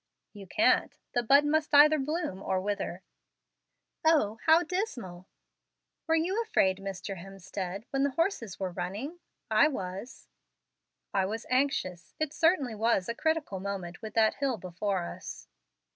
"You can't. The bud must either bloom or wither." "O, how dismal! Were you afraid, Mr. Hemstead, when the horses were running? I was." "I was anxious. It certainly was a critical moment with that hill before us."